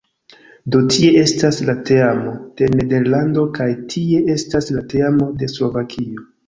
Do tie estas la teamo de Nederlando kaj tie estas la teamo de Slovakio